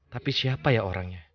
tapi siapa ya orangnya